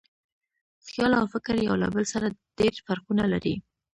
خیال او فکر یو له بل سره ډېر فرقونه لري.